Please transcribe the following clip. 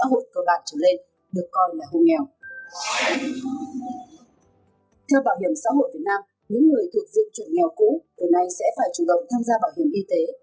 thưa bảo hiểm xã hội việt nam những người thuộc dựng chuẩn nghèo cũ hôm nay sẽ phải chủ động tham gia bảo hiểm y tế